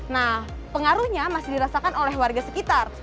nah pengaruhnya masih dirasakan oleh warga sekitar